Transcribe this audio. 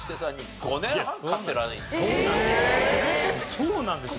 そうなんですよ。